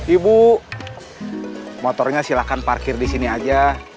ibu motornya silahkan parkir disini aja